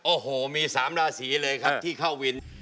โอ้โหมี๓ราศีเลยครับที่เข้าวิน